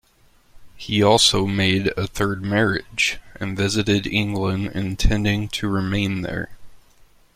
He also made a third marriage, and visited England intending to remain there.